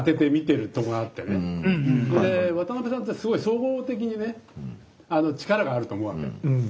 それで渡邉さんってすごい総合的にね力があると思うわけ。